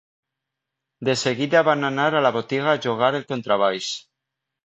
De seguida van anar a la botiga a llogar el contrabaix.